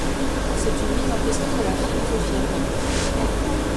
C’est une mise en question de la philosophie elle-même.